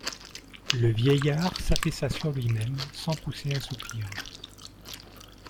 Le vieillard s'affaissa sur lui-même sans pousser un soupir.